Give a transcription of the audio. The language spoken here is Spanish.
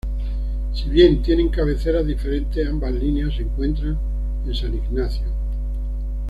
Si bien tienen cabeceras diferentes, ambas líneas se encuentran en San Ignacio.